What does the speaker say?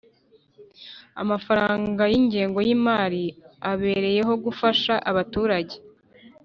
Amafaranga y’ ingengo y’ imari abereyeho gufasha abaturange